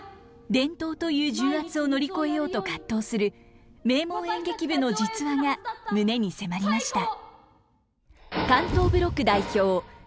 伝統という重圧を乗り越えようと葛藤する名門演劇部の実話が胸に迫りました。